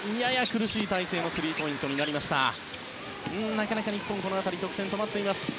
なかなか日本得点が止まっています。